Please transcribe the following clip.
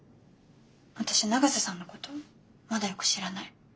私永瀬さんのことまだよく知らない。